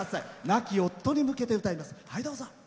亡き夫に向けて歌います。